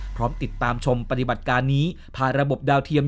พร้อมติดตามชมปฏิบัติการนี้ผ่านระบบดาวเทียม